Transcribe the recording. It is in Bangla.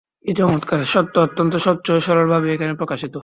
কী চমৎকার! সত্য অত্যন্ত স্বচ্ছ ও সরলভাবেই এখানে প্রকাশিত।